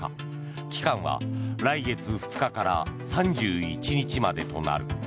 期間は来月２日から３１日までとなる。